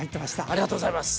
ありがとうございます。